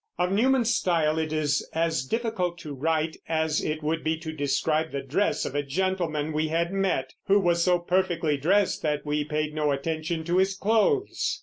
Of Newman's style it is as difficult to write as it would be to describe the dress of a gentleman we had met, who was so perfectly dressed that we paid no attention to his clothes.